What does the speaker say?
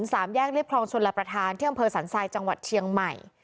สามแยกเรียบคลองชนรับประทานที่อำเภอสันทรายจังหวัดเชียงใหม่